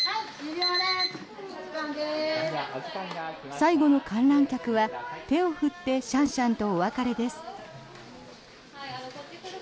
最後の観覧客は手を振ってシャンシャンとお別れです。